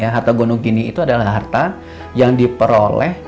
harta gonogini itu adalah harta yang diperoleh